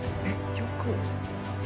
よく。